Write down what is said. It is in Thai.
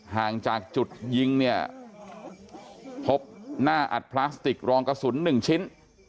ห่างจากจุดยิงเนี่ยพบหน้าอัดพลาสติกรองกระสุน๑ชิ้น